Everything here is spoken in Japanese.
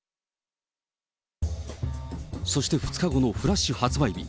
そして２日後のフラッシュ発売日。